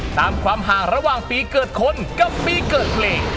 ตามความห่างระหว่างปีเกิดคนกับปีเกิดเพลง